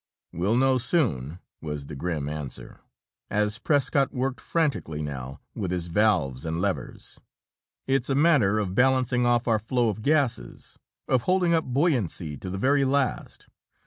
"We'll know soon!" was the grim answer, as Prescott worked frantically now with his valves and levers. "It's a matter of balancing off our flow of gases, of holding up buoyancy to the very last.